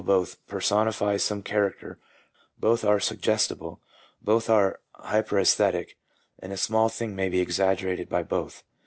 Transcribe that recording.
They will both personify some character, both are suggestible, both are hypersesthetic, and a small thing may be exaggerated by both.